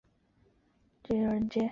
后由张世则接任。